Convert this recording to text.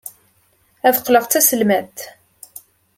Ad qqleɣ d taselmadt.